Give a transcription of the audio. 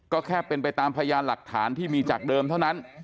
ก็แค่เป็นไปตามพยานหลักฐานที่มีจากเดิมเท่านั้น